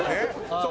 そう。